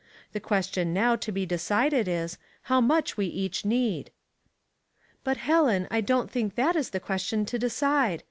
The ques tion now to be decided is, how much we each need." " But, Helen, I don't think that is the question to decide.